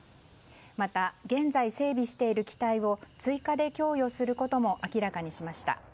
また、現在整備している機体を追加で供与することも明らかにしました。